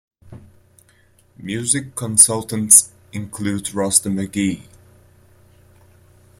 Music consultants include Rusty Magee.